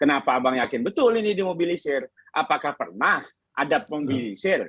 kenapa abang yakin betul ini dimobilisir apakah pernah ada polisir